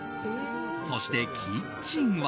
そして、キッチンは。